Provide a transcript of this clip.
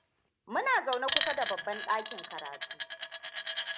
Muna zaune kusa da babban ɗakin karatu.